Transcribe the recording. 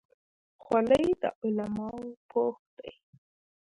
خولۍ د علماو پوښ دی.